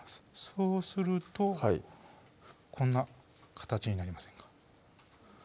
そうするとこんな形になりませんか？